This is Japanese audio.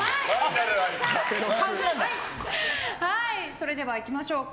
それではいきましょうか。